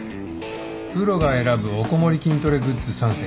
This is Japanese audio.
プロが選ぶおこもり筋トレグッズ３選。